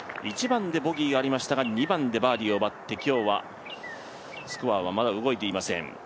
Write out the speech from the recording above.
１番でボギーありましたが２番でバーディーを奪って今日はスコアはまだ動いていません。